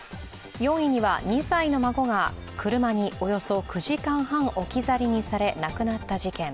４位には２歳の孫が車におよそ９時間半置き去りにされ亡くなった事件。